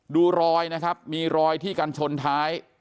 ดูรอยนะครับมีรอยที่กันชนท้าย